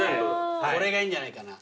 これがいいんじゃないかな？